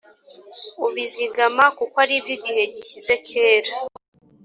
ubizigama kuko ari iby’igihe gishyize kera